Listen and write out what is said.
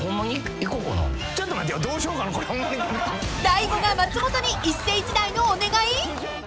［大悟が松本に一世一代のお願い！？］